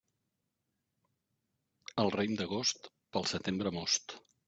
El raïm d'agost, pel setembre most.